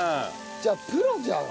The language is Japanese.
じゃあプロじゃん。